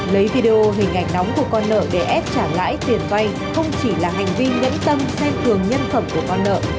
lấy video hình ảnh nóng của con nợ để ép trả lãi tiền vay không chỉ là hành vi nhẫn tâm khen thường nhân phẩm của con nợ